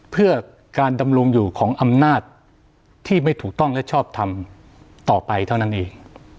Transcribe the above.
เพื่อการดำรงอยู่ของอำนาจที่ไม่ถูกต้องและชอบทำต่อไปเท่านั้นเอง